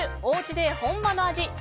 おうちで本場の味